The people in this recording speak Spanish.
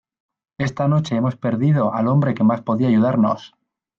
¡ esta noche hemos perdido al hombre que más podía ayudarnos!